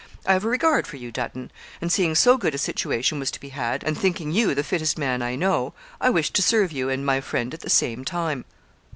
I have a regard for you, Dutton; and seeing so good a situation was to be had, and thinking you the fittest man I know, I wished to serve you and my friend at the same time.'